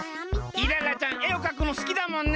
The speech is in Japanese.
イララちゃん絵をかくのすきだもんね。